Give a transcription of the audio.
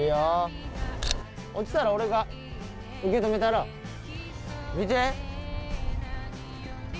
落ちたら俺が受け止めたるわ。